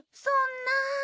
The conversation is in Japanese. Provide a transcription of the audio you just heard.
そんな。